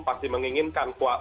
pasti menginginkan serdakwa bebas